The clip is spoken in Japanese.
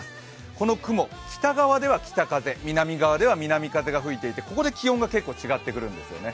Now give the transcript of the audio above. この雲、北側では北風南側では南風が吹いていてここで気温が結構違ってくるんですよね。